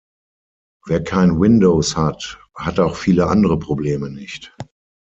Wer kein Windows hat, hat auch viele andere Probleme nicht.